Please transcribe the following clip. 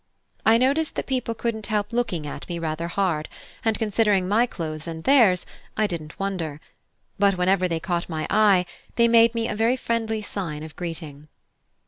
I noticed that people couldn't help looking at me rather hard, and considering my clothes and theirs, I didn't wonder; but whenever they caught my eye they made me a very friendly sign of greeting.